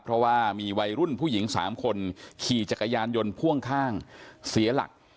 เพราะว่ามีวัยรุ่นผู้หญิง๓คนขี่จักรยานยนต์พ่วงข้างเสียหลัก